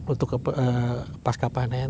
untuk pasca panen